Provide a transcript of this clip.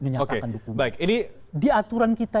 menyatakan dukungan oke baik ini di aturan kita